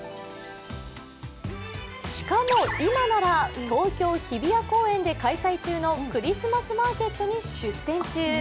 しかも今なら東京・日比谷公園で開催中のクリスマスマーケットに出店中。